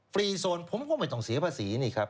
รีโซนผมก็ไม่ต้องเสียภาษีนี่ครับ